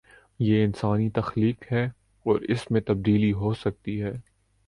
یہ انسانی تخلیق ہے اور اس میں تبدیلی ہو سکتی ہے۔